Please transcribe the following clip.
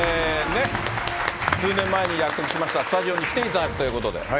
数年前に約束しました、スタジオに来ていただくということで。